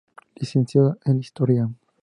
Licenciada en historia.